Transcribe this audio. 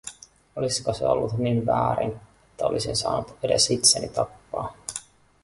Olisiko se ollut niin väärin, että olisin saanut edes itseni tappaa?